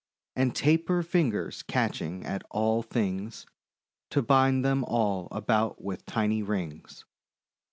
And taper fingers catching at all things, To bind them all about with tiny rings.